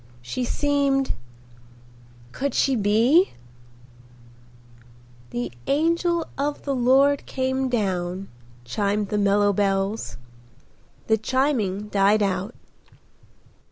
She seemed—! Could she be—? "The angel of the Lord came down,"—chimed the mellow bells. The chiming died out.